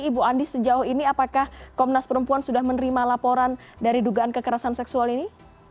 ibu andi sejauh ini apakah komnas perempuan sudah menerima laporan dari dugaan kekerasan seksual ini